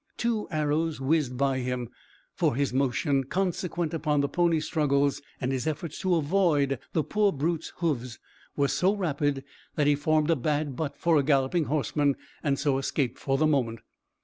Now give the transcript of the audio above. Two arrows whizzed by him, for his motion, consequent upon the pony's struggles and his efforts to avoid the poor brute's hoofs, was so rapid that he formed a bad butt for a galloping horseman, and so escaped for the moment.